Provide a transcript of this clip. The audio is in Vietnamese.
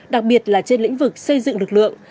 đặc biệt là trên lĩnh vực xây dựng lực lượng